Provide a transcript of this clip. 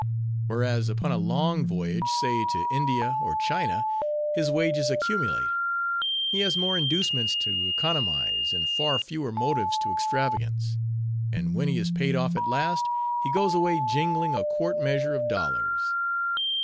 Whereas, upon a long voyage, say to India or China, his wages accumulate; he has more inducements to economize, and far fewer motives to extravagance; and when he is paid off at last, he goes away jingling a quart measure of dollars.